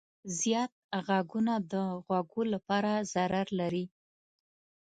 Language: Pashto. زیات غږونه د غوږو لپاره ضرر لري.